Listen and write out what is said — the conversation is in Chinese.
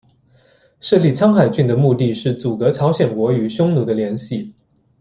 设立苍海郡的目的是阻隔朝鲜国与匈奴的联系。